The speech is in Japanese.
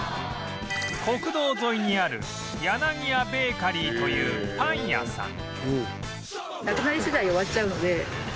国道沿いにある柳屋ベーカリーというパン屋さん